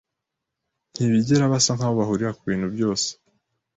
Ntibigera basa nkaho bahurira kubintu byose.